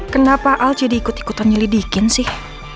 kenapa al jadi ikut ikutan nyelidikin sih